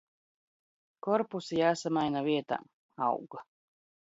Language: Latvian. Korpusi j?samaina viet?m - aug